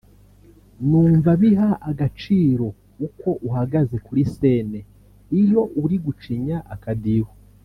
Numva biha agaciro uko uhagaze kuri scene iyo uri gucinya akadiho